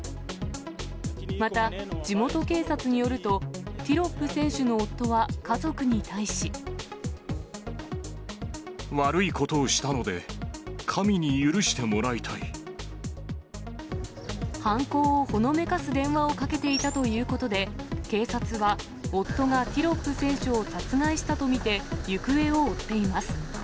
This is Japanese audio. また、地元警察によると、悪いことをしたので、犯行をほのめかす電話をかけていたということで、警察は夫がティロップ選手を殺害したと見て、行方を追っています。